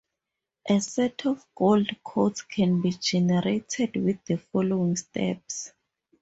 A set of Gold codes can be generated with the following steps.